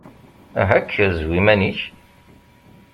Aha kker, zwi iman-ik!